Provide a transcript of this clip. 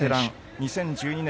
２０１２年